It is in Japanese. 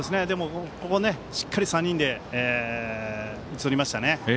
ここ、しっかり３人で打ち取りましたね。